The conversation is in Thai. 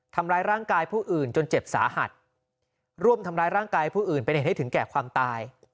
ทำร้ายร่างกายผู้อื่นจนเจ็บสาหัสร่วมทำร้ายร่างกายผู้อื่นเป็นเหตุให้ถึงแก่ความตาย